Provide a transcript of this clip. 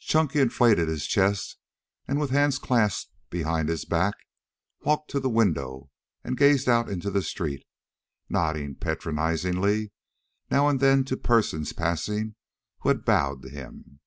Chunky inflated his chest, and, with hands clasped behind his back, walked to the window and gazed out into the street, nodding patronizingly now and then to persons passing who had bowed to him.